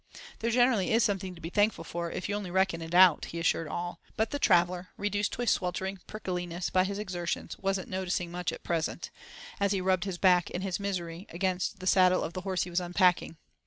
"There generally is something to be thankful for, if you only reckon it out," he assured all. But the traveller, reduced to a sweltering prickliness by his exertions, wasn't "noticing much at present," as he rubbed his back in his misery against the saddle of the horse he was unpacking.